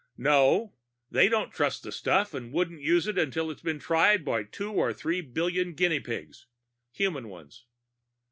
"No. They don't trust the stuff, and won't use it until it's been tried on two or three billion guinea pigs. Human ones."